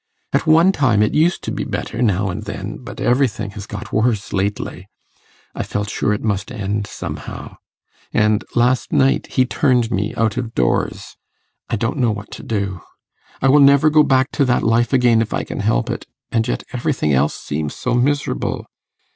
At one time it used to be better now and then, but everything has got worse lately. I felt sure it must soon end somehow. And last night he turned me out of doors ... I don't know what to do. I will never go back to that life again if I can help it; and yet everything else seems so miserable.